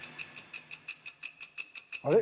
あれ？